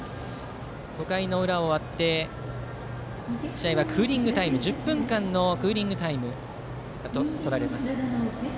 ５回の裏終わって、試合は１０分間のクーリングタイムがとられます。